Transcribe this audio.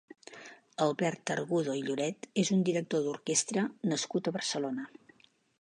Albert Argudo i Lloret és un director d'orquestra nascut a Barcelona.